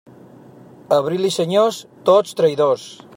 Abril i senyors, tots traïdors.